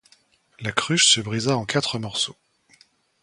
La cruche se brisa en quatre morceaux.